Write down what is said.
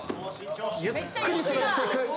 ゆっくり滑らせていく。